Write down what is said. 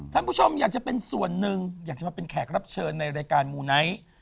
ท่านผู้ชมอยากจะเป็นส่วนหนึ่งอยากจะมาเป็นแขกรับเชิญในรายการมูไนท์